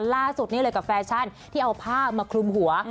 ล่าสุดนี่เลยกับแฟชั่นที่เอาผ้ามาคลุมหัว